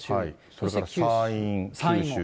それから山陰、九州。